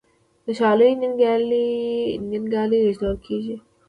د شالیو نیالګي لیږدول کیږي.